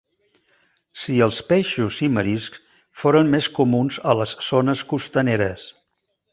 Si els peixos i mariscs foren més comuns a les zones costaneres.